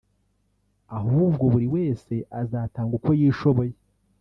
ahubwo buri wese azatanga uko yishoboye